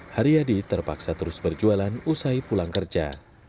hari yadi terpaksa terus berjualan usai pulang kerja